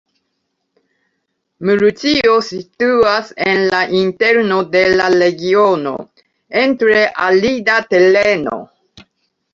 Murcio situas en la interno de la regiono, en tre arida tereno.